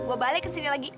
gue balik ke sini lagi